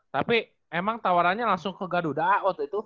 tapi emang tawarannya langsung ke garuda waktu itu